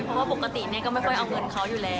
เพราะปกติแม่ก็ไม่ค่อยเอาเงินเขาอยู่แล้ว